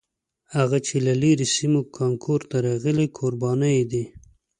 هغه چې له لرې سیمو کانکور ته راغلي کوربانه یې دي.